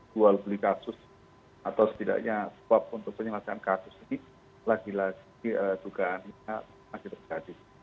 dual beli kasus atau setidaknya swap untuk penyelamatan kasus lagi lagi dugaannya masih terjadi